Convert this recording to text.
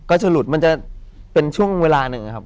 ก็จะหลุดมันจะเป็นช่วงเวลาหนึ่งครับ